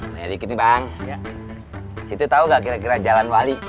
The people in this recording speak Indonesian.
nanya dikit nih bang situ tau gak kira kira jalan wali